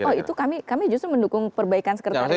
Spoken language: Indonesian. oh itu kami justru mendukung perbaikan sekretariat